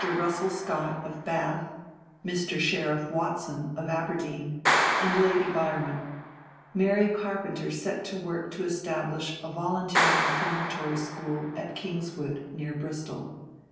Russell Scott, of Bath; Mr. Sheriff Watson, of Aberdeen; and Lady Byron, Mary Carpenter set to work to establish a voluntary reformatory school at Kingswood, near Bristol.